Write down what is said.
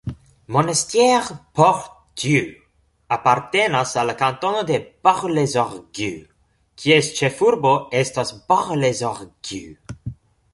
Monestier-Port-Dieu apartenas al la kantono de Bort-les-Orgues, kies ĉefurbo estas Bort-les-Orgues.